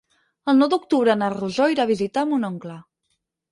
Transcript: El nou d'octubre na Rosó irà a visitar mon oncle.